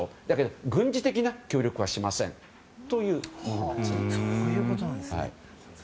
だけど軍事的な協力はしませんという意味なんですね。